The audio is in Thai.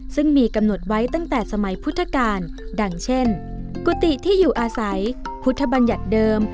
ซึ่งมีกำหนดไว้ตั้งแต่สมัยพุทธกาลดังเช่นกุฏิที่อยู่อาศัยพุทธบัญญัติเดิม